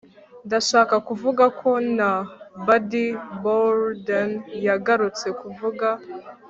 ndashaka kuvuga ko na buddy bolden yagarutse kuvuga